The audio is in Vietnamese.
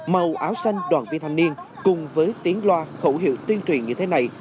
màu áo xanh đoàn viên thanh niên cùng với tiếng loa khẩu hiệu tuyên truyền như thế này